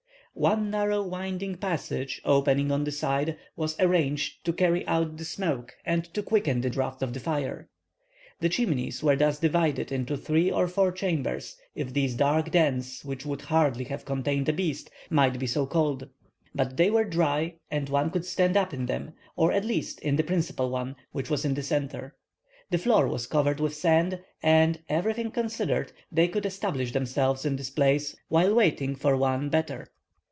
One narrow, winding passage, opening on the side; was arranged to carry out the smoke and to quicken the draught of the fire. The Chimneys were thus divided into three or four chambers, if these dark dens, which would hardly have contained a beast, might be so called. But they were dry, and one could stand up in them, or at least in the principal one, which was in the centre. The floor was covered with sand, and, everything considered, they could establish themselves in this place while waiting for one better.